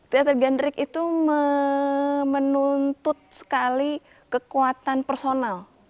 teater gendrik itu menuntut sekali kekuatan personal